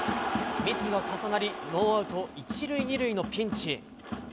ミスが重なりノーアウト１塁２塁のピンチ。